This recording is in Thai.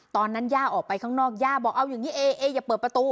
ย่าออกไปข้างนอกย่าบอกเอาอย่างนี้เอออย่าเปิดประตู